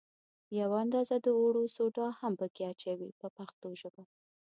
یوه اندازه د اوړو سوډا هم په کې اچوي په پښتو ژبه.